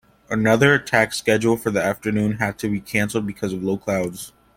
Another attack scheduled for the afternoon had to be cancelled because of low clouds.